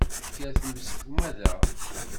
Tekker tmes deg umadaɣ